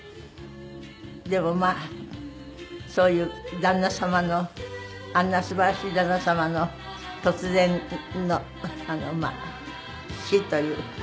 でもまあそういう旦那様のあんな素晴らしい旦那様の突然の。